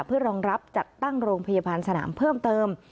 เพื่อรองรับจัดตั้งโรงพยาบาลสนามเพิ่มเติม